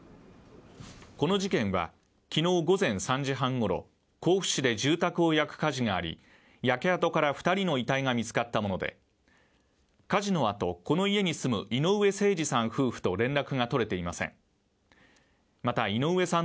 この事件は昨日午前３時半ごろ、甲府市で住宅を焼く火事があり焼け跡から２人の遺体が見つかったもので火事のあと、この家に住む井上盛司さん夫婦と連絡がとれていません。